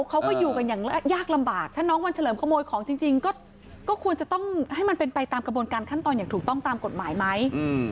เขาก็อยู่กันอย่างยากลำบากถ้าน้องวันเฉลิมขโมยของจริงก็ควรจะต้องให้มันเป็นไปตามกระบวนการขั้นตอนอย่างถูกต้องตามกฎหมายไหม